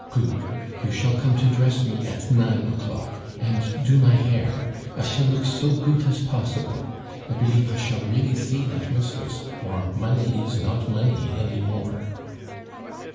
"Goot. You shall come to dress me at nine o'clock and do my hair. I shall look so goot as possible. I belief I shall really see dat mistress or money is not money any more."